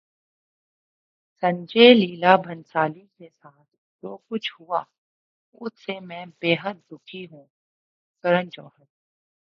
سنجے لیلا بھنسالی کے ساتھ جو کچھ ہوا اس سے میں بیحد دکھی ہوں: کرن جوہر